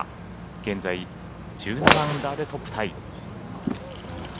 現在、１７アンダーでトップタイ。